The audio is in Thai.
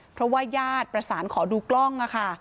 เพราะว่าญาติประสานขอดูกล้องค่ะ